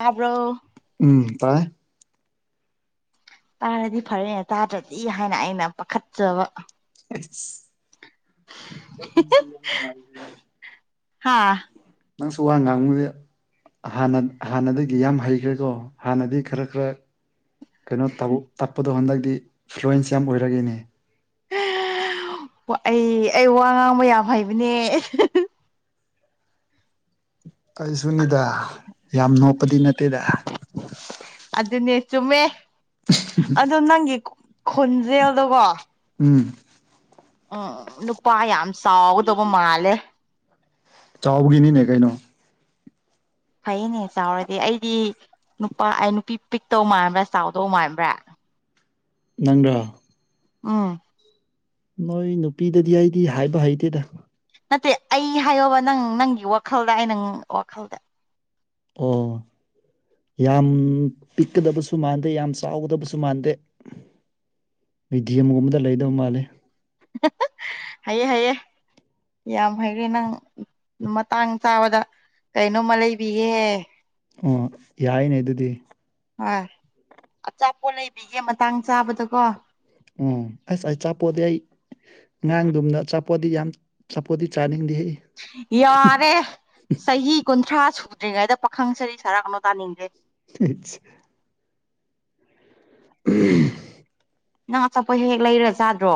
ꯇꯥꯕ꯭ꯔꯣ ꯎꯝ ꯇꯥꯏ ꯇꯥꯔꯗꯤ ꯐꯔꯦ ꯇꯥꯗ꯭ꯔꯗꯤ ꯍꯥꯏꯅ ꯑꯩꯅ ꯄꯥꯈꯠꯆꯕ [unintelligible] [unintelligible] ꯍꯥ ꯅꯪꯁꯨ ꯋꯥ ꯉꯥꯡꯉꯨꯔꯦ ꯍꯥꯟꯅ ꯍꯥꯟꯅꯗꯒꯤ ꯌꯥꯝ ꯍꯩꯈ꯭ꯔꯦꯀꯣ ꯍꯥꯟꯅꯗꯤ ꯈꯔ ꯈꯔ ꯀꯩꯅꯣ ꯇꯧ ꯇꯞꯄꯗꯣ ꯍꯟꯗꯛꯇꯤ ꯐ꯭ꯂꯨꯋꯦꯟꯁ ꯌꯥꯝ ꯑꯣꯏꯔꯛꯑꯦꯅꯦ ꯑꯩ ꯑꯩ ꯋꯥ ꯉꯥꯡꯕ ꯌꯥꯝ ꯍꯩꯕꯅꯦ ꯀꯔꯤꯁꯨꯅꯤꯗ ꯌꯥꯝ ꯅꯣꯞꯄꯗꯤ ꯅꯠꯇꯦꯗ ꯑꯗꯨꯅꯦ ꯆꯨꯝꯃꯦ ꯑꯗꯣ ꯅꯪꯒꯤ ꯈꯣꯟꯖꯦꯜꯗꯣꯀꯣ ꯎꯝ ꯎꯝ ꯅꯨꯄꯥ ꯌꯥꯝ ꯆꯥꯎꯒꯗꯧꯕ ꯃꯥꯜꯂꯦ ꯆꯥꯎꯕꯒꯤꯅꯤꯅꯦ ꯀꯩꯅꯣ ꯐꯩꯅꯦ ꯆꯥꯎꯔꯗꯤ ꯑꯩꯗꯤ ꯅꯨꯄꯥ ꯑꯩ ꯅꯨꯄꯤ ꯄꯤꯛꯇꯧ ꯃꯥꯟꯕ꯭ꯔꯥ ꯆꯥꯎꯗꯧ ꯃꯥꯟꯕ꯭ꯔꯥ ꯅꯪꯗ꯭ꯔꯥ ꯎꯝ ꯅꯣꯏ ꯅꯨꯄꯤꯗꯗꯤ ꯑꯩꯗꯤ ꯍꯥꯏꯕ ꯍꯩꯇꯦꯗ ꯅꯠꯇꯦ ꯑꯩ ꯍꯥꯏꯌꯣꯕ ꯅꯪ ꯅꯪꯒꯤ ꯋꯥꯈꯜꯗ ꯑꯩ ꯅꯪ ꯋꯥꯈꯜꯗ ꯑꯣ ꯌꯥꯝ ꯄꯤꯛꯀꯗꯕꯁꯨ ꯃꯥꯟꯗꯦ ꯌꯥꯝ ꯆꯥꯎꯒꯗꯕꯁꯨ ꯃꯥꯟꯗꯦ꯫ ꯑꯩ [unintelligible] ꯒꯨꯝꯕꯗ ꯂꯩꯗꯧ ꯃꯥꯜꯂꯦ ꯍꯩꯌꯦ ꯍꯩꯌꯦ ꯌꯥꯝ ꯍꯩꯔꯦ ꯅꯪ꯫ ꯃꯇꯥꯡ ꯆꯥꯕꯗ ꯀꯩꯅꯣꯝꯃ ꯂꯩꯕꯤꯒꯦ꯫ ꯑꯣ ꯌꯥꯏꯅꯦ ꯑꯗꯨꯗꯤ꯫ ꯍꯣꯏ ꯑꯆꯥꯄꯣꯠ ꯂꯩꯕꯤꯒꯦ ꯃꯇꯥꯡ ꯆꯥꯕꯗꯀꯣ꯫ ꯎꯝ ꯑꯁ ꯑꯆꯥꯄꯣꯠꯇꯤ ꯑꯩ ꯉꯥꯡꯗꯨꯝꯅ ꯑꯆꯥꯄꯣꯠꯇꯤ ꯌꯥꯝ ꯆꯥꯄꯣꯠꯇꯤ ꯆꯥꯅꯤꯡꯗꯦꯍꯦ꯫ ꯌꯥꯔꯦ ꯆꯍꯤ ꯀꯨꯟꯊ꯭ꯔꯥ ꯁꯨ ꯗ꯭ꯔꯤꯉꯩꯗ ꯄꯥꯈꯪꯁꯔꯤ ꯁꯔꯥ [unintelligible] [unintelligible] ꯎꯝ ꯉꯥ ꯆꯠꯄ ꯍꯦꯛ ꯂꯩꯔꯖꯥꯗ꯭ꯔꯣ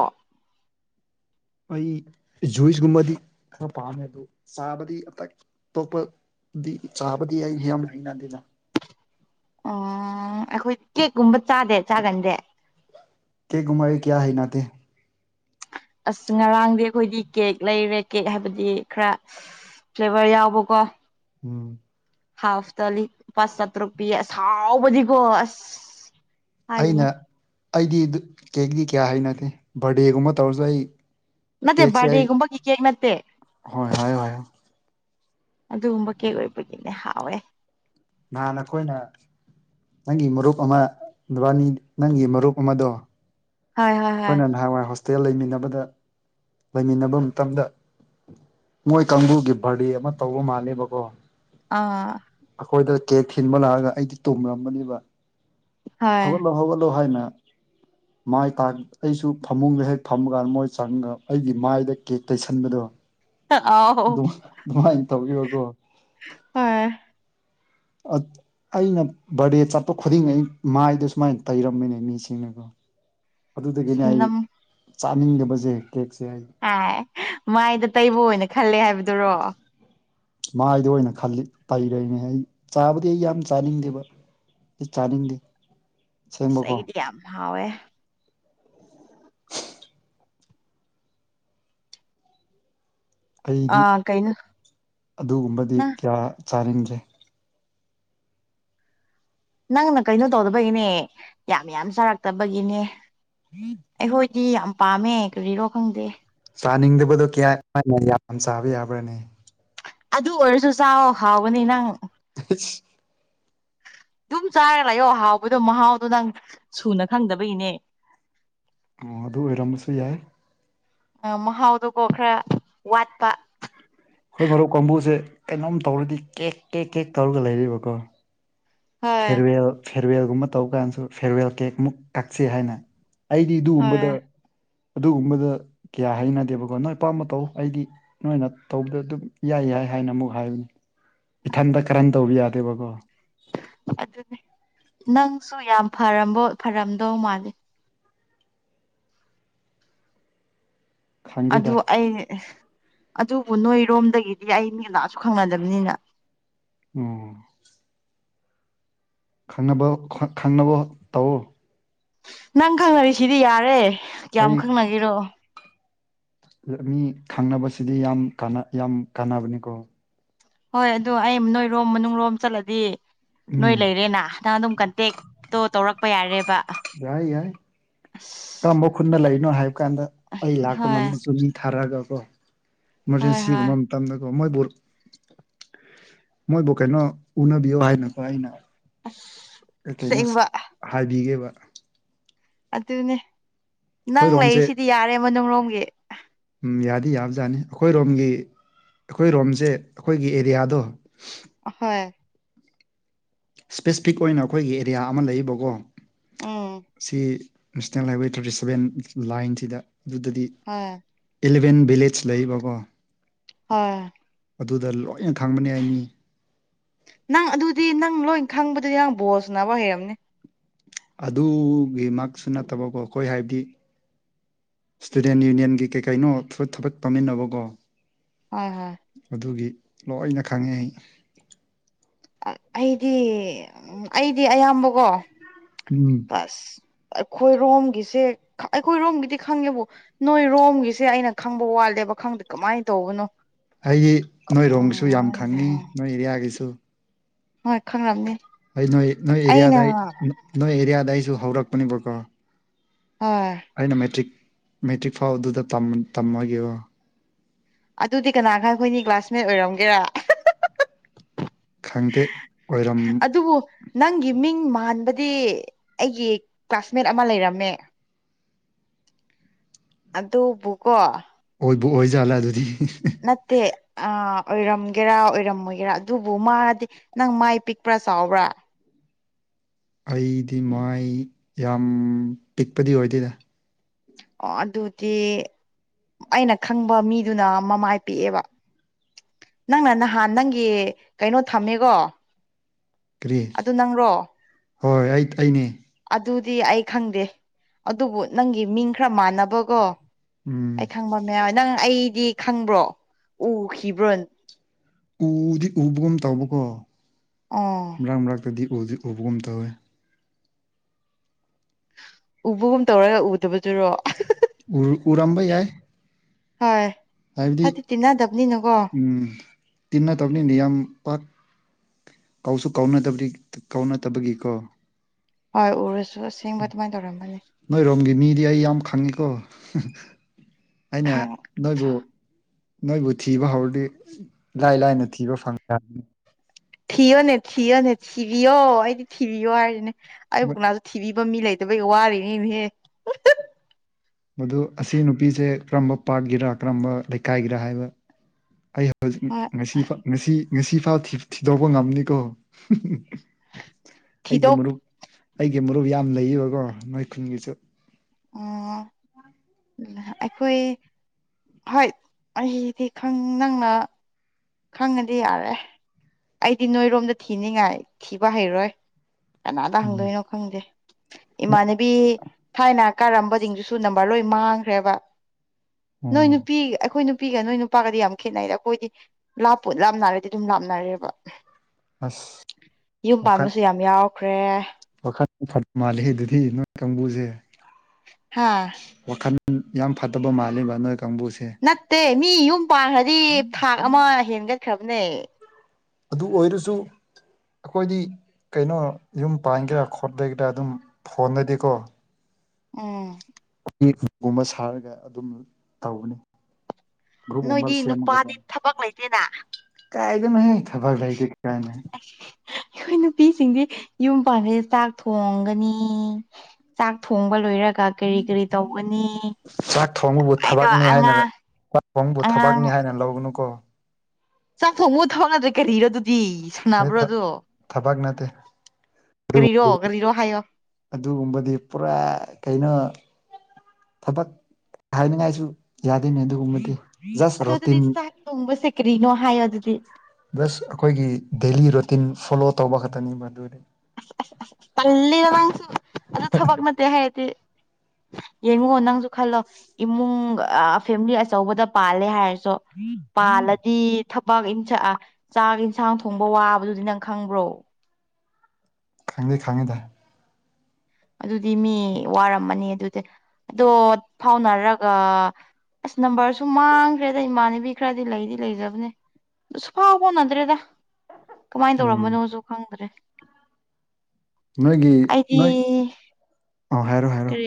ꯑꯩ ꯖꯨꯏꯁꯒꯨꯝꯕꯗꯤ ꯈꯔ ꯄꯥꯝꯃꯦ ꯑꯗꯨ ꯆꯥꯕꯗꯤ ꯑꯇ ꯑꯇꯣꯞꯄ ꯆꯥꯕꯗꯤ ꯍ ꯂꯩꯅꯗꯗ ꯑꯣ ꯑꯩꯈꯣꯏ ꯀꯦꯛꯀꯨꯝꯕ ꯆꯥꯗꯦ ꯆꯥꯒꯟꯁꯦ ꯀꯦꯛꯀꯨꯝꯕ ꯑꯩ ꯀꯌꯥ ꯍꯥꯏ ꯅꯥꯇ ꯑꯁ ꯉꯔꯥꯡꯗꯤ ꯑꯩꯈꯣꯏꯗꯤ ꯀꯦꯛ ꯂꯩꯔꯦ ꯀꯦꯛ ꯍꯥꯏꯕꯗꯤ ꯈꯔ ꯀꯕ ꯌꯥꯎꯕꯀꯣ ꯎꯝ ꯍꯥꯐ ꯇꯂꯤ ꯄꯥꯁ ꯁꯠ ꯔꯨꯄꯤꯥꯎꯕꯗꯤ ꯀꯁ ꯑꯩꯅ ꯑꯩꯗꯤ ꯀꯦꯗꯤ ꯀꯌꯥ ꯍꯅꯗꯦ ꯕꯥꯔꯗꯦꯒꯨꯝꯕ ꯇꯧꯔꯁꯨ ꯑꯩ ꯅꯠꯇꯦ ꯀꯁ ꯕꯥꯔꯗꯦꯒꯨꯝꯕꯒꯤ ꯀꯦꯛ ꯅꯠꯇꯦ ꯍ ꯍꯥꯏ ꯍꯥꯏ ꯑꯗꯨꯒꯨꯝꯕ ꯀꯩ ꯑꯣꯏꯕꯒꯤꯅꯦ ꯍꯥꯎꯋꯦ ꯅꯍꯥꯟ ꯑꯩꯈꯣꯏꯅ ꯅꯪꯒꯤ ꯃꯔꯨꯞ ꯑꯃ ꯅꯨꯕꯥꯅꯤ ꯅꯪꯒꯤ ꯃꯔꯨꯞ ꯑꯃꯗꯣ ꯍꯣꯏ ꯍꯣꯏ ꯍ ꯑꯩꯈꯣꯏꯅ ꯅꯍꯥꯟꯋꯥꯏ ꯍꯣꯁꯇꯦꯜ ꯂꯩꯃꯤꯟꯅꯕꯗ ꯂꯩꯃꯤꯟꯅꯕ ꯃꯇꯝꯗ ꯃꯣꯏ ꯀꯥꯡꯕꯨꯒꯤ ꯚꯥꯔꯗꯤ ꯑꯃ ꯇꯧꯕ ꯃꯥꯜꯅꯦꯕꯀꯣ ꯑꯥ ꯑꯩꯈꯣꯏꯗ ꯀꯦꯛ ꯊꯤꯟꯕ ꯂꯥꯛꯑꯒ ꯑꯩꯗꯤ ꯇꯨꯝꯔꯝꯕꯅꯦꯕ ꯍꯧꯒꯠꯂꯣ ꯍꯣꯏ ꯍꯧꯒꯠꯂꯣ ꯍꯥꯏꯅ ꯃꯥꯏ ꯀꯥꯛ ꯑꯩꯁꯨ ꯐꯃꯨꯡꯗ ꯍꯦꯛ ꯐꯝꯃꯀꯥꯟꯗ ꯃꯣꯏ ꯆꯪꯉꯒ ꯑꯩꯒꯤ ꯃꯥꯏꯗ ꯀꯦꯛ ꯇꯩꯁꯟꯕꯗꯣ ꯑꯥꯎ ꯑꯗꯨ ꯑꯗꯨꯃꯥꯏꯅ ꯇꯧꯕꯕꯀꯣ ꯍꯣꯏ ꯑꯩꯅ ꯕꯥꯔꯗꯦ ꯆꯠꯄ ꯈꯨꯗꯤꯡ ꯑ ꯃꯥꯏꯗꯣ ꯁꯨꯃꯥꯏꯅ ꯇꯩꯔꯃꯤꯅꯦ ꯃꯤꯁꯤꯡꯅꯀꯣ ꯑꯗꯨꯗꯒꯤꯅꯦ ꯑꯩ ꯅꯝ ꯆꯥꯅꯤꯡꯗꯕꯁꯦ ꯀꯦꯛꯁꯦ ꯑꯩ ꯍꯥꯏ ꯃꯥꯏꯗ ꯇꯩꯕ ꯑꯣꯏꯅ ꯈꯜꯂꯦ ꯍꯥꯏꯕꯗꯨꯔꯣ ꯃꯥꯏꯗ ꯑꯣꯏꯅ ꯈꯜꯂꯤ ꯇꯩꯔꯦꯅꯦ ꯑꯩ ꯆꯥꯕꯗꯤ ꯑꯩ ꯌꯥꯝ ꯆꯥꯅꯤꯡꯗꯦꯕ ꯆꯥꯗꯤ ꯑꯁ ꯑꯩꯗꯤ ꯌꯥꯝ ꯍꯥꯎꯋꯦ ꯑꯩꯗꯤ ꯑꯥ ꯀꯩꯅꯣ ꯑꯗꯨꯒꯨꯝꯕꯗꯤ ꯅꯪ ꯀꯌꯥ ꯆꯥꯅꯤꯡꯗꯦ ꯅꯪꯅ ꯀꯩꯅꯣ ꯇꯧꯗꯕꯒꯤꯅꯦ ꯌꯥꯝ ꯌꯥꯝ ꯆꯥꯔꯛꯇꯕꯒꯤꯅꯦ ꯑꯩꯈꯣꯏꯗꯤ ꯌꯥꯝ ꯄꯥꯝꯃꯦ ꯀꯔꯤꯔꯣ ꯈꯪꯗꯦ ꯆꯥꯅꯤꯡꯗꯕꯗꯣ ꯀꯌꯥ ꯌꯥꯝ ꯆꯥꯕ ꯌꯥꯕ꯭ꯔꯥꯅꯦ ꯑꯗꯨ ꯑꯣꯏꯔꯁꯨ ꯆꯥꯎꯥꯛ ꯍꯥꯎꯕꯅꯤ ꯅꯪ [unintelligible] ꯑꯗꯨꯝ ꯆꯥꯔ ꯂꯥꯛꯌꯣ ꯍꯥꯎꯕꯗꯣ ꯃꯍꯥꯎꯗꯣ ꯅꯪ ꯁꯨꯅ ꯈꯪꯗꯕꯒꯤꯅꯦ ꯑꯣ ꯑꯗꯨ ꯑꯣꯏꯔꯝꯕꯁꯨ ꯌꯥꯏ ꯑ ꯃꯍꯥꯎꯗꯨꯀꯣ ꯈꯔ ꯋꯥꯠꯄ ꯍꯣꯏ ꯃꯔꯨꯞ ꯀꯥꯡꯕꯨꯁꯦ ꯀꯩꯅꯣꯝ ꯇꯧꯔꯗꯤ ꯀꯦꯛ ꯀꯦꯛ ꯀꯦꯛ ꯇꯧꯔꯒ ꯂꯩꯔꯤꯕꯀꯣ ꯍꯣꯏ ꯐꯦꯔꯋꯦꯜ ꯐꯦꯔꯋꯦꯜꯒꯨꯝꯕ ꯇꯧ ꯀꯥꯟꯗꯁꯨ ꯐꯦꯔꯋꯦꯜ ꯀꯦꯛꯃꯨꯛ ꯀꯛꯆ ꯍꯥꯏꯅ ꯑꯩꯗꯤ ꯍꯣꯏ ꯑꯗꯨꯒꯨꯝꯕꯗ ꯑꯗꯨꯒꯨꯝꯕꯗ ꯀꯌꯥ ꯍꯩꯅꯗꯦꯕꯀꯣ ꯅꯣꯏ ꯑꯄꯥꯝꯕ ꯇꯧ ꯑꯩꯗꯤ ꯅꯣꯏꯅ ꯇꯧꯕꯗ ꯑꯗꯨꯝ ꯌꯥꯏ ꯌꯥꯏ ꯍꯥꯏꯅ ꯑꯃꯨꯛ ꯍꯥꯏꯕꯅꯤ ꯏꯊꯟꯇ ꯀꯔꯝ ꯇꯧꯕ ꯌꯥꯗꯦꯕꯀꯣ ꯑꯗꯨꯅꯦ ꯅꯪꯁꯨ ꯌꯥꯝ ꯐꯔꯝꯕ ꯐꯔꯝꯗꯧ ꯃꯥꯜꯂꯤꯦ ꯈꯪꯗꯦꯗ ꯑꯗꯨ ꯑꯩ ꯑꯗꯨꯕꯨ ꯅꯣꯏꯔꯣꯝꯗꯒꯤꯗꯤ ꯑꯩ ꯃꯦꯂꯥꯁꯨ ꯈꯪꯅꯗꯕꯅꯤꯅ ꯎꯝ ꯈꯪꯅꯕ ꯈꯪꯅꯕ ꯇꯧꯎ ꯅꯪ ꯈꯪꯅꯔꯤ ꯁꯤꯗꯤ ꯌꯥꯔꯦ ꯀꯌꯥꯝ ꯑꯩ ꯈꯪꯅꯈꯤꯔꯣ ꯃꯤ ꯈꯪꯅꯕꯁꯤꯗꯤ ꯌꯥꯝ ꯌꯥꯝ ꯀꯥꯟꯅꯕꯅꯤꯀꯣ ꯍꯣꯏ ꯑꯗꯨ ꯑꯩ ꯅꯣꯏꯔꯣꯝ ꯃꯅꯨꯡ ꯂꯣꯝ ꯆꯠꯂꯗꯤ ꯅꯣꯏ ꯎꯝ ꯂꯩꯔꯦꯅꯥ ꯅ ꯅꯪ ꯑꯗꯨꯝ ꯀꯟꯇꯦꯛꯇꯣ ꯇꯧꯔꯛꯄ ꯌꯥꯔꯦꯕ ꯑꯁ ꯇꯃ ꯈꯨꯨꯟꯅ ꯂꯥꯏ ꯀꯣ ꯍꯥꯏꯕ ꯀꯥꯟꯗ ꯑꯩ ꯂꯥꯛꯄ ꯍꯣꯏ ꯉꯝꯗꯁꯨ ꯃꯤ ꯊꯥꯔꯛꯑꯒ ꯀꯣ ꯍꯣꯏ ꯍꯣꯏ ꯏꯃꯔꯖꯦꯟꯁꯤꯒꯨꯝꯕ ꯃꯇꯝꯗ ꯃꯣꯏꯕꯨ ꯃꯣꯏꯕꯨꯣ ꯀꯩꯅꯣ ꯎꯅꯕꯤꯌꯣ ꯍꯥꯏꯅ ꯀꯣ ꯍꯥꯏꯅ ꯑꯁ ꯀ ꯀꯩꯅꯣ ꯑꯁꯦꯡꯕ ꯍꯥꯏꯕꯤꯒꯦꯕ ꯑꯗꯨꯅꯦ ꯅꯪ ꯑꯩꯈꯣꯏꯔꯣꯝꯁꯦ ꯂꯩꯁꯤꯗꯤ ꯌꯥꯔꯦ ꯃꯅꯨꯡꯂꯣꯝꯒꯤ ꯗꯤ ꯌꯥꯕꯖꯥꯠꯅꯤ ꯑꯩꯈꯣꯏ ꯔꯣꯝꯒꯤ ꯑꯩꯈꯣꯏ ꯔꯣꯝꯁꯦ ꯑꯩꯈꯣꯏꯒꯤ ꯑꯦꯔꯤꯌꯥꯗꯣ ꯍꯣꯏ ꯏꯁꯄꯦꯁꯤꯐꯤꯛ ꯑꯣꯏꯅ ꯑꯩꯈꯣꯏꯒꯤ ꯑꯦꯔꯤꯌꯥ ꯑꯃ ꯂꯩꯕꯀꯣ ꯎꯝ ꯁꯤ ꯅꯦꯁꯅꯦꯜ ꯍꯥꯏꯋꯦ ꯊꯥꯔꯇꯤ ꯁꯕꯦꯟ ꯂꯥꯏꯟꯁꯤꯗ ꯑꯗꯨꯗꯗꯤ ꯍꯣꯏ ꯑꯦꯂꯕꯦꯟ ꯚꯤꯂꯦꯖ ꯂꯩꯕꯀꯣ ꯍꯣꯏ ꯑꯗꯨꯗ ꯂꯣꯏꯅ ꯈꯪꯕꯅꯤ ꯍꯥꯏꯅꯤ ꯅꯪ ꯑꯗꯨꯗꯤ ꯅꯪ ꯂꯣꯏ ꯈꯪꯕꯗꯨꯗꯤ ꯅꯪ ꯕꯣꯜꯁꯥꯟꯅꯕ ꯍꯩꯔꯝꯅꯤ ꯑꯗꯨꯒꯤ ꯃꯁꯨ ꯅꯠꯇꯕꯀꯣ ꯑꯩꯈꯣꯏ ꯍꯥꯏꯕꯗꯤ ꯏꯁꯇꯨꯗꯦꯟ ꯌꯨꯅꯤꯌꯟꯒꯤ ꯀꯩ ꯀꯩꯅꯣ ꯊꯕꯛ ꯄꯝꯃꯤꯟꯅꯕꯀꯣ ꯍꯣꯏ ꯍꯣꯏ ꯑꯗꯨꯒꯤ ꯂꯣꯏꯅ ꯈꯪꯉꯦ ꯑꯩ ꯑꯩꯗꯤ ꯑꯩꯗꯤ ꯑꯌꯥꯝꯕꯀꯣ ꯎꯝ ꯑꯁ ꯑꯩꯈꯣꯏꯔꯣꯝꯒꯤꯁꯦ ꯑꯩꯈꯣꯏꯔꯣꯝꯒꯤꯗꯤ ꯈꯪꯉꯦꯕꯨ ꯅꯣꯏꯔꯣꯝꯒꯤꯁꯦ ꯑꯩꯅ ꯈꯪꯕ ꯋꯥꯠꯂꯦꯕ ꯄꯥꯈꯪꯗ ꯀꯃꯥꯏꯅ ꯇꯧꯕꯅꯣ ꯑꯩꯗꯤ ꯅꯣꯏꯔꯣꯝꯒꯤꯁꯨ ꯌꯥꯝ ꯀꯃꯥꯏꯅ ꯈꯪꯉꯤ ꯅꯣꯏ ꯑꯦꯔꯤꯌꯥꯒꯤꯁꯨ ꯍꯣꯏ ꯈꯪꯂꯝꯅꯤ ꯑꯩ ꯅꯣꯏ ꯅꯣꯏ ꯑꯦꯔꯤꯌꯥꯗ ꯅꯣꯏ ꯑꯦꯔꯤꯌꯥꯗ ꯑꯩꯁꯨ ꯍꯧꯔꯛꯄꯅꯦꯕꯀꯣ ꯍꯣꯏ ꯑꯩꯅ ꯃꯦꯇ꯭ꯔꯤꯛ ꯃꯦꯇ꯭ꯔꯤꯛ ꯐꯥꯎꯕꯗꯨꯗ ꯇꯝꯃꯒꯦꯔ ꯑꯗꯨꯗꯤ ꯀꯅꯥ ꯈꯔ ꯑꯩꯈꯣꯏꯅꯤ ꯀ꯭ꯂꯥꯁꯃꯦꯠ ꯑꯣꯏꯔꯝꯒꯦꯔꯥ ꯈꯪꯗꯦ ꯑꯣꯏꯔꯝ ꯑꯗꯨꯕꯨ ꯅꯪꯒꯤ ꯃꯤꯡ ꯑꯍꯥꯟꯕꯗꯤ ꯑꯩꯒꯤ ꯀ꯭ꯂꯥꯁꯃꯦꯠ ꯑꯃ ꯂꯩꯔꯝꯃꯦ ꯑꯗꯨꯕꯨ ꯒꯣ ꯑꯣꯏꯕ ꯑꯣꯏꯖꯥꯠꯂꯦ ꯑꯗꯨꯗꯤ ꯅꯠꯇꯦ ꯑ ꯑꯣꯏꯔꯝꯒꯦꯔꯥ ꯑꯣꯏꯔꯝꯃꯣꯏꯒꯦꯔꯥ ꯑꯗꯨꯕꯨ ꯃꯥꯗꯤ ꯅꯪ ꯃꯥꯏ ꯄꯤꯛꯄ꯭ꯔꯥ ꯆꯥꯎꯕ꯭ꯔꯥ ꯑꯩꯗꯤ ꯃꯥꯏ ꯌꯥꯝ ꯄꯤꯛꯄꯗꯤ ꯑꯣꯏꯗꯦꯗ ꯑꯣ ꯑꯗꯨꯗꯤ ꯑꯩꯅ ꯈꯪꯕ ꯃꯤꯗꯨꯅ ꯃꯃꯥꯏ ꯄꯤꯑꯦꯕ ꯅꯪꯅ ꯅꯍꯥꯟ ꯅꯪꯒꯤ ꯀꯩꯅꯣ ꯊꯝꯃꯦꯀꯣ ꯀꯔꯤ ꯑꯗꯨ ꯅꯪꯔꯣ ꯍꯣꯏ ꯍꯣꯏ ꯑꯩ ꯑꯩꯅꯦ ꯑꯗꯨꯗꯤ ꯑꯩ ꯈꯪꯗꯦ ꯑꯗꯨꯕꯨ ꯅꯪꯒꯤ ꯃꯤꯡ ꯈꯔ ꯃꯥꯟꯅꯕꯒꯣ ꯎꯝ ꯑꯩ ꯈꯪꯕ ꯃꯌꯥꯝ ꯅꯪ ꯑꯩꯗꯤ ꯈꯪꯕ꯭ꯔꯣ ꯎꯈꯤꯕ꯭ꯔꯣꯅ ꯎꯗꯤ ꯎꯕꯒꯨꯝ ꯇꯧꯕꯀꯣ ꯑꯣ ꯃꯔꯛ ꯃꯔꯛꯇꯗꯤ ꯎꯕꯒꯨꯝ ꯇꯧꯋꯦ ꯎꯕꯒꯨꯝ ꯇꯧꯔ ꯎꯗꯕ ꯎ ꯎꯔꯝꯕ ꯌꯥꯏ ꯍꯣꯏ ꯍꯥꯏꯕꯗꯤ ꯍꯥꯏꯗꯤ ꯇꯤꯟꯅꯗꯕꯅꯤꯅꯀꯣ ꯇꯤꯟꯅꯗꯕꯅꯤꯗꯤ ꯌꯥꯝ ꯄꯥꯛ ꯀꯧꯁꯨ ꯀꯧꯅ ꯇ ꯀꯧꯅ ꯇꯕꯒꯤ ꯀꯣ ꯍꯣꯏ ꯎꯔꯁꯨ ꯑꯁꯦꯡꯕ ꯑꯗꯨꯃꯥꯏꯅ ꯇꯧꯔꯝꯕꯅꯤ ꯅꯣꯏ ꯔꯝꯒꯤ ꯃꯤꯗꯤ ꯌꯥꯝꯝ ꯈꯥꯡꯉꯅꯤ ꯀꯣ ꯑꯩꯅ ꯈꯥꯡ ꯅꯣꯏꯕꯨ ꯅꯣꯏꯕꯨ ꯊꯤꯕ ꯍꯧꯔꯗꯤ ꯂꯥꯏ ꯂꯥꯏꯅ ꯊꯤꯕ ꯐꯪꯗꯕꯅꯤ ꯊꯤꯌꯣꯅꯦ ꯊꯤꯌꯣꯅꯦ ꯊꯤꯕꯤꯌꯣ ꯑꯩꯗꯤ ꯊꯤꯕꯤꯌꯣ ꯍꯥꯏꯔꯅꯦ ꯑꯌꯨꯕꯨꯛꯅꯥꯁꯨ ꯊꯤꯕꯤꯕ ꯃꯤ ꯂꯩꯇꯕꯒꯤ ꯋꯥꯔꯤꯅꯤꯅꯦꯍꯦ ꯃꯗꯨ ꯑꯁꯤ ꯅꯨꯄꯤꯁꯦ ꯀꯔꯝꯕ ꯄꯥꯠꯀꯤꯔꯥ ꯀꯔꯝꯕ ꯂꯩꯀꯥꯏꯒꯤꯔ ꯍꯥꯏꯕ ꯑꯩ ꯍꯧ ꯍꯣꯏ ꯉꯁꯤ ꯉꯁꯤ ꯉꯁꯤ ꯐꯥꯎ ꯊꯤꯗꯣꯛꯧꯕ ꯉꯝꯅꯤꯀꯣ ꯑꯩꯒꯤ ꯊꯤꯗꯣꯛ ꯃꯔꯨꯞ ꯑꯩꯒꯤ ꯃꯔꯨꯞ ꯌꯥꯝ ꯂꯩꯕꯀꯣ ꯅꯣꯏ ꯈꯨꯟꯒꯤꯁꯨ ꯑꯣ ꯑꯩꯈꯣꯏ ꯍꯣꯏ ꯑꯩꯗꯤ ꯈ ꯅꯪꯅ ꯈꯪꯉꯗꯤ ꯌꯥꯔꯦ ꯑꯩꯗꯤ ꯅꯣꯏꯔꯣꯝꯗ ꯊꯤꯅꯤꯡꯉꯥꯏ ꯊꯤꯕ ꯍꯩꯔꯣꯏ ꯀꯅꯥꯗ ꯍꯪꯗꯣꯏꯅꯣ ꯎꯝ ꯈꯪꯗꯦ ꯏꯃꯥꯟꯅꯕꯤ ꯊꯥꯏꯅ ꯀꯥꯔꯝꯕꯁꯤꯡꯗꯨꯁꯨ ꯅꯝꯕꯔ ꯂꯣꯏ ꯃꯥꯡꯈ꯭ꯔꯦꯕ ꯅꯣꯏ ꯑꯣ ꯅꯨꯄꯤ ꯑꯩꯈꯣꯏ ꯅꯨ ꯅꯨꯄꯤꯒ ꯅꯣꯏ ꯅꯨꯄꯥꯒꯗꯤ ꯌꯥꯝ ꯈꯦꯠꯅꯩꯗ ꯑꯩꯈꯣꯏꯗꯤ ꯂꯞꯄꯣ ꯂꯞꯅꯔꯗꯤ ꯑꯗꯨꯝ ꯂꯥꯞꯅꯔꯦꯕ ꯑꯁ ꯌꯨꯝ ꯄꯥꯟꯕꯁꯨ ꯌꯥꯝ ꯌꯥꯎꯈ꯭ꯔꯦ ꯐꯠ ꯃꯥꯜꯂꯤꯦ ꯑꯗꯨꯗꯤ ꯅꯣꯏ ꯀꯥꯡꯕꯨꯁꯦ ꯍꯥꯥ ꯋꯥꯈꯜ ꯌꯥꯝ ꯐꯠꯇꯕ ꯃꯥꯜꯂꯤꯕ ꯅꯣꯏ ꯀꯥꯡꯕꯨꯁꯦ ꯅꯠꯇꯦ ꯃꯤ ꯌꯨꯝ ꯄꯥꯟꯈ꯭ꯔꯗꯤ ꯊꯥꯛ ꯑꯃ ꯍꯦꯟꯒꯠꯈ꯭ꯔꯕꯅꯦ ꯑꯗꯨ ꯑꯣꯏꯔꯁꯨ ꯑꯩꯈꯣꯏꯗꯤ ꯀꯩꯅꯣ ꯌꯨꯝ ꯄꯥꯟꯒꯦꯔꯥ ꯈꯣꯠꯂꯒꯦꯔꯥ ꯑꯗꯨꯝ ꯐꯣꯟꯗꯗꯤꯀꯣ ꯎꯝ ꯀꯒꯨꯝꯕ ꯁꯥꯔꯒ ꯑꯗꯨꯝ ꯇꯒꯅꯤ ꯈ ꯅꯣꯏꯗꯤ ꯎꯃꯜꯁꯤꯦ ꯅꯨꯄꯥꯗꯤ ꯑꯃ ꯊꯕꯛ ꯂꯩꯇꯦꯅ ꯀꯥꯏꯗꯅ ꯈꯕꯔ ꯂꯏꯗ ꯀꯥꯅ ꯑꯩꯈꯣꯏ ꯅꯨꯄꯤꯁꯤꯡꯗꯤ ꯌꯨꯝ ꯄꯥꯟꯕꯥꯩꯗ ꯆꯥꯛ ꯊꯣꯡꯒꯅꯤ ꯆꯥꯛ ꯊꯣꯡꯕ ꯂꯣꯏꯔꯒ ꯀꯔꯤ ꯀꯔꯤ ꯇꯧꯒꯅꯤ ꯆꯥꯛ ꯊꯣꯡꯕꯕꯨ ꯑꯩꯗꯣ ꯊꯕꯛꯅꯤ ꯍꯥꯏꯅꯔ ꯑꯉꯥꯡ ꯈꯣꯡꯕꯨ ꯊꯕꯛꯅꯤ ꯍꯥꯏꯅ ꯂꯧꯒꯅꯨ ꯀꯣ ꯆꯥꯛꯊꯣꯡ ꯃꯨ ꯊꯥꯎꯅꯗ꯭ꯔꯦ ꯀꯔꯤꯔ ꯑꯗꯨ ꯑꯩ ꯊ ꯊꯄꯒꯅꯠꯇ ꯀꯔꯤꯔꯣ ꯀꯔꯤꯔꯣ ꯍꯥꯏꯌꯣ ꯑꯗꯨꯒꯨꯝꯕꯗꯤ ꯄꯨꯔꯥ ꯀꯩꯅꯣ ꯊꯕꯛ ꯍꯥꯏꯅꯤꯡꯉꯥꯏꯁꯨ ꯌꯥꯗꯣꯏꯅꯦ ꯑꯗꯨꯒꯨꯝꯕꯗꯤ ꯖꯁ ꯑꯗꯣ ꯑꯗꯨꯗꯤ ꯔꯣꯇꯤꯟ ꯆꯥꯛ ꯊꯣꯡꯕꯁꯦ ꯀꯔꯤꯅꯣ ꯍꯥꯏꯌꯣ ꯑꯗꯨꯗꯤ ꯕꯁ ꯑꯩꯈꯣꯏꯒꯤ ꯗꯦꯂꯤ ꯔꯨꯇꯤꯟ ꯐꯣꯂꯣ ꯇꯧꯕ ꯈꯛꯇꯅꯤꯕ ꯑꯗꯨꯗꯤ ꯑꯗ ꯅꯪꯁꯨ ꯑꯗꯨꯗ ꯊꯕꯛ ꯅꯠꯇꯦ ꯍꯥꯏꯗꯤꯦ ꯌꯦꯡꯉꯣ ꯅꯪꯁꯨ ꯈꯜꯂꯣ ꯏꯃꯨꯡ ꯐꯦꯃꯤꯂꯤ ꯑꯆꯧꯕꯗ ꯄꯥꯜꯂꯦ ꯍꯥꯏꯔꯁꯨ ꯄꯥꯜꯂꯗꯤ ꯊꯕꯛ ꯆꯥꯛ ꯌꯦꯟꯁꯥꯡ ꯊꯣꯡꯕ ꯋꯥꯕꯗꯨꯗꯤ ꯅꯪ ꯈꯪꯕ꯭ꯔꯣ ꯈꯪꯗꯦ ꯈꯪꯉꯤꯗ ꯑꯗꯨꯗꯤ ꯃꯤ ꯋꯥꯔꯝꯃꯅꯤ ꯑꯗꯨꯗꯤ ꯑꯗꯣ ꯐꯥꯎꯅꯔꯒ ꯑꯁ ꯅꯝꯕꯔꯁꯨ ꯃꯥꯡꯈ꯭ꯔꯦꯗ ꯏꯃꯥꯟꯅꯕꯤ ꯈꯔꯗꯤ ꯂꯩꯗꯤ ꯂꯩꯖꯕꯅꯦ ꯁꯨꯐꯥꯎꯕ ꯍꯣꯟꯅꯗ꯭ꯔꯦꯗ ꯀꯃꯥꯏꯅ ꯎꯝ ꯇꯧꯔꯝꯕꯅꯣꯁꯨ ꯈꯪꯗ꯭ꯔꯦ ꯅꯣꯏꯒꯤ ꯑꯩꯗꯤ ꯅꯣꯏ ꯑ ꯍꯥꯏꯔꯣ ꯍꯥꯏꯔꯣ ꯀꯔꯤ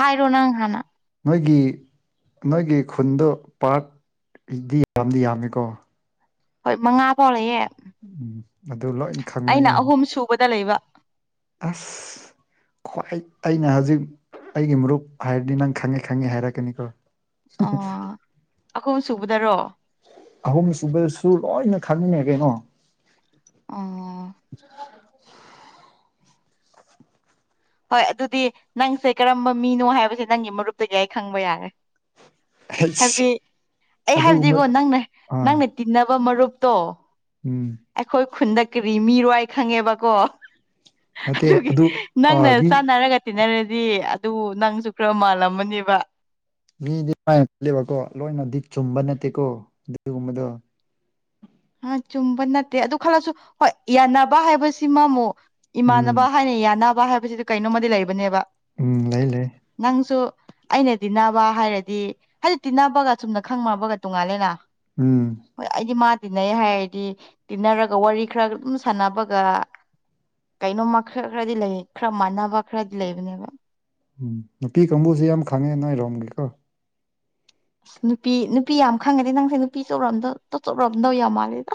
ꯍꯥꯏꯔꯣ ꯅꯪ ꯍꯥꯟꯅ ꯅꯣꯏꯒꯤ ꯅꯣꯏꯒꯤ ꯈꯨꯟꯗꯣ ꯄꯥꯔꯠꯗꯤ ꯌꯥꯝꯗꯤ ꯌꯥꯝꯃꯤꯀꯣ ꯍꯣꯏ ꯃꯉꯥ ꯐꯥꯎꯔꯛꯑꯦ ꯎꯝ ꯑꯗꯨ ꯂꯣꯏꯅ ꯈꯪꯕꯅꯤ ꯑꯍꯨꯝ ꯁꯨꯕꯗ ꯂꯩꯕ ꯑꯁ ꯈ꯭ꯋꯥꯏ ꯑꯩꯅ ꯍꯧꯖꯤꯛ ꯑꯩꯒꯤ ꯃꯔꯨꯞ ꯍꯥꯏꯔꯗꯤ ꯅꯪ ꯈꯪꯉꯦ ꯈꯪꯉꯦ ꯍꯥꯏꯔꯛꯀꯅꯤꯀꯣ ꯑꯣ ꯑꯍꯨꯝ ꯁꯨꯕꯗꯔꯣ ꯑꯍꯨꯝ ꯁꯨꯕꯁꯨ ꯂꯣꯏꯅ ꯈꯅꯤꯅꯦꯒꯩꯅꯣ ꯑꯥ [unintelligible] ꯍꯣꯏ ꯑꯗꯨꯗꯤ ꯅꯪꯁꯦ ꯀꯔꯝꯕ ꯃꯤꯅꯣ ꯍꯥꯏꯕꯁꯦ ꯅꯪꯒꯤ ꯃꯔꯨꯞꯇꯒꯤ ꯑꯩ ꯈꯪꯕ ꯌꯥꯔꯦ ꯍꯥꯏꯕꯗꯤ ꯑꯩ ꯑꯗꯨꯒꯨꯝꯕ ꯍꯥꯏꯕꯗꯤꯀꯣ ꯅꯪꯅ ꯑꯥ ꯅꯪꯅ ꯇꯤꯟꯅꯕ ꯃꯔꯨꯞꯇꯣ ꯎꯝ ꯑꯩꯈꯣꯏ ꯈꯨꯟꯗ ꯀꯔꯤ ꯃꯤꯔꯣ ꯑꯩ ꯈꯪꯉꯦꯕꯀꯣ ꯅꯠꯇꯦ ꯑꯗꯨꯒꯤ ꯑꯗꯨ ꯑ ꯅꯪꯅ ꯃꯤ ꯆꯥꯟꯅꯔꯒ ꯇꯤꯟꯅꯔꯗꯤ ꯑꯗꯨ ꯅꯪꯁꯨ ꯈꯔ ꯃꯥꯜꯂꯝꯃꯅꯦꯕ ꯃꯤꯗꯤ ꯂꯦꯕꯀꯣ ꯂꯣꯏꯅꯗꯤ ꯆꯨꯝꯕ ꯅꯠꯇꯦꯀꯣ ꯑꯗꯨꯒꯨꯝꯕꯗꯣ ꯑ ꯆꯨꯝꯕ ꯅꯠꯇꯦ ꯑꯗꯨ ꯈꯜꯂꯁꯨ ꯍꯣꯏ ꯌꯥꯟꯅꯕ ꯍꯥꯏꯕꯁꯤꯃꯃꯨꯛ ꯏꯃꯥꯟꯅꯕ ꯎꯝ ꯍꯥꯏꯅ ꯌꯥꯅꯕ ꯍꯥꯏꯕꯁꯤꯗꯤ ꯀꯩꯅꯣꯝꯃꯗꯤ ꯂꯩꯕꯅꯦꯕ ꯎꯝ ꯂꯩ ꯂꯩ ꯅꯪꯁꯨ ꯑꯩꯅ ꯇꯤꯟꯅꯕ ꯍꯥꯏꯔꯗꯤ ꯍꯥꯏꯗꯤ ꯇꯤꯟꯅꯕꯒ ꯆꯨꯝꯅ ꯈꯪꯃꯕꯒ ꯇꯣꯡꯉꯥꯜꯂꯦꯅ ꯎꯝ ꯑꯩꯗꯤ ꯃꯥ ꯇꯤꯟꯅꯩ ꯍꯥꯏꯔꯗꯤ ꯇꯤꯟꯅꯔꯒ ꯋꯥꯔꯤ ꯈꯔ ꯑꯗꯨꯝ ꯁꯥꯟꯅꯕꯒ ꯀꯩꯅꯣꯝꯃ ꯈꯔ ꯈꯔꯗꯤ ꯂꯩ ꯈꯔ ꯃꯥꯟꯅꯕ ꯈꯔꯗꯤ ꯂꯩꯕꯅꯦꯕ ꯎꯝ ꯅꯨꯄꯤ ꯀꯥꯡꯕꯨꯁꯦ ꯌꯥꯝ ꯈꯪꯉꯦ ꯅꯣꯏꯔꯣꯝꯒꯤꯀꯣ ꯅꯨꯄꯤ ꯅꯨꯄꯤ ꯌꯥꯝ ꯈꯪꯉꯗꯤ ꯅꯪꯁꯦ ꯅꯨꯄꯤ ꯆꯣꯔꯝꯗꯣ ꯇꯣ ꯆꯧꯔꯣꯝꯗꯣꯏ ꯌꯥꯝ ꯃꯥꯜꯂꯦꯗ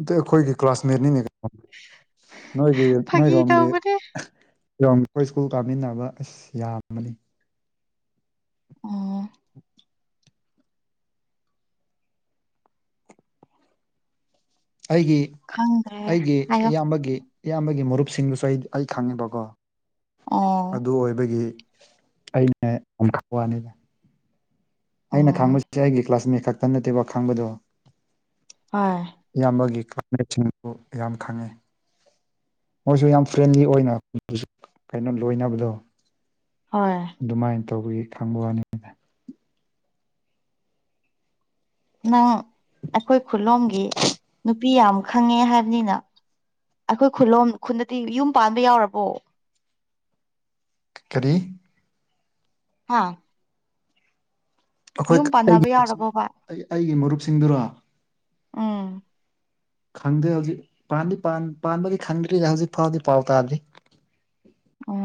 ꯑꯗ ꯑꯩꯈꯣꯏꯒꯤ ꯀ꯭ꯂꯥꯁꯃꯦꯠꯅꯤꯅꯦ ꯅꯣꯏꯗꯤ ꯐꯥꯒꯤ ꯅꯣꯏꯔꯣꯝꯒꯤ ꯇꯧꯕꯅꯦ ꯑꯩꯈꯣꯏ ꯁ꯭ꯀꯨꯜ ꯀꯥꯃꯤꯟꯅꯕ ꯑꯁ ꯌꯥꯝꯕꯅꯤ ꯎꯝ ꯑꯩꯒꯤ ꯈꯪꯗ꯭ꯔꯦ ꯑꯩꯒꯤ ꯍꯥꯏꯌꯣ ꯏꯌꯥꯝꯕꯒꯤ ꯏꯌꯥꯝꯕꯒꯤ ꯃꯔꯨꯞꯁꯤꯡꯗꯨꯁꯨ ꯑꯩ ꯑꯩ ꯈꯪꯉꯤꯕꯀꯣ ꯑꯣ ꯑꯗꯨ ꯑꯣꯏꯕꯒꯤ ꯑꯩꯅ ꯌꯥꯝ ꯊꯛ ꯋꯥꯅꯤꯗ ꯑꯩꯅ ꯑꯣ ꯈꯥꯡꯕꯁꯤ ꯑꯩꯒꯤ ꯀ꯭ꯂꯥꯁꯃꯦꯠ ꯈꯛꯇ ꯅꯠꯇꯦꯕ ꯈꯥꯡꯕꯗꯣ ꯍꯣꯏ ꯏꯌꯥꯝꯕꯒꯤ ꯀ꯭ꯂꯥꯁꯃꯦꯠꯁꯤꯡꯕꯨ ꯌꯥꯝ ꯈꯪꯉꯤ ꯃꯣꯏꯁꯨ ꯌꯥꯝ ꯐ꯭ꯔꯦꯟꯂꯤ ꯑꯣꯏꯅ ꯀꯩꯅꯣ ꯂꯣꯏꯅꯕꯗꯣ ꯍꯣꯏ ꯑꯗꯨꯃꯥꯏꯅ ꯇꯧꯕꯒꯤ ꯈꯪꯕ ꯋꯥꯅꯤꯗ ꯅꯪ ꯑꯩꯈꯣꯏ ꯈꯨꯂꯣꯝꯒꯤ ꯅꯨꯄꯤ ꯌꯥꯝ ꯈꯪꯉꯦ ꯍꯥꯏꯕꯅꯤꯅ ꯑꯩꯈꯣꯏ ꯈꯨꯂꯣꯝ ꯈꯨꯗꯠꯇꯤ ꯌꯨꯝ ꯄꯥꯟꯕ ꯌꯥꯎꯔꯕꯣ ꯀꯔꯤ ꯍꯥꯥ ꯑꯩꯈꯣꯏꯀ ꯑꯩꯒꯤ ꯃꯔꯨꯞꯁꯤ ꯌꯥꯎꯔꯕꯣꯕ ꯑꯩ ꯑꯩꯒꯤ ꯃꯔꯨꯞꯁꯤꯡꯗꯨꯔꯣ ꯎꯝ ꯈꯪꯗꯦ ꯍꯧꯖꯤꯛ ꯄꯥꯟꯗꯤ ꯄꯥꯟ ꯄꯥꯟꯕꯗꯤ ꯈꯪꯗ꯭ꯔꯤꯗ ꯍꯧꯖꯤꯛ ꯐꯥꯎꯗꯤ ꯄꯥꯎ ꯇꯥꯗ꯭ꯔꯤ ꯑꯣ